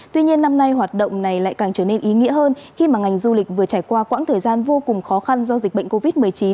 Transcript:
tuy nhiên năm nay hoạt động này lại càng trở nên ý nghĩa hơn khi mà ngành du lịch vừa trải qua quãng thời gian vô cùng khó khăn do dịch bệnh covid một mươi chín